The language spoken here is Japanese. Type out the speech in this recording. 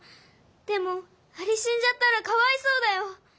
でもアリしんじゃったらかわいそうだよ。